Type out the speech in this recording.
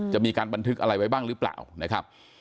จะมีการบันทึกอะไรไว้บ้างหรือเปล่านะครับ